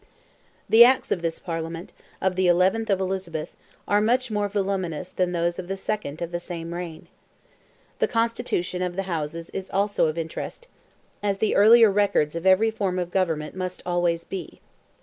The acts of this Parliament, of the 11th of Elizabeth, are much more voluminous than those of the 2nd of the same reign. The constitution of the houses is also of interest, as the earlier records of every form of government must always be.